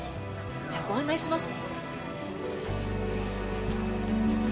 じゃあご案内します。